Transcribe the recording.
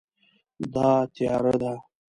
دا تیاره ده